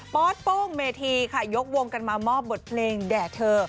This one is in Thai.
อสโป้งเมธีค่ะยกวงกันมามอบบทเพลงแด่เธอ